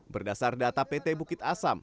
berdasar data pt bukit asam